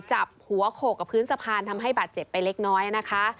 จับหัวโขกกับพื้นสะพานทำให้บาดเจ็บไปเล็กน้อยนะคะ